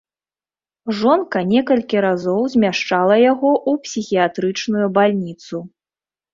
Жонка некалькі разоў змяшчала яго ў псіхіятрычную бальніцу.